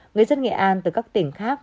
người dân nghệ an từ các tỉnh khác